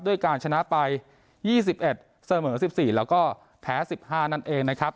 ด้วยการชนะไปยี่สิบเอ็ดเสมอสิบสี่แล้วก็แพ้สิบห้านั่นเองนะครับ